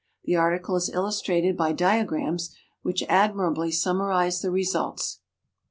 The article is illustrated by diagrams, which admirably summarize the results.